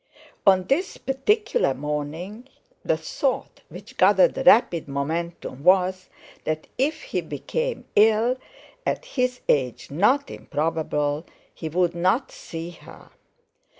On this particular morning the thought which gathered rapid momentum was that if he became ill, at his age not improbable, he would not see her.